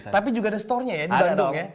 tapi juga ada storenya ya di bandung ya